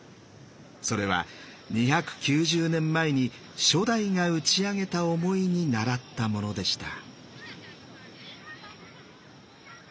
それは２９０年前に初代が打ち上げた思いにならったものでした。